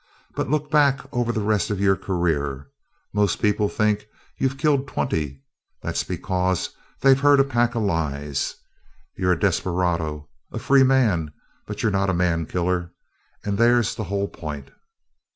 But look back over the rest of your career. Most people think you've killed twenty. That's because they've heard a pack of lies. You're a desperado a free man but you're not a man killer. And there's the whole point.